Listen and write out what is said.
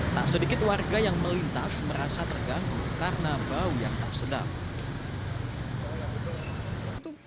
tak sedikit warga yang melintas merasa terganggu karena bau yang tak sedap